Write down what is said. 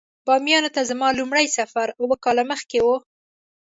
بامیان ته زما لومړی سفر اووه کاله مخکې و.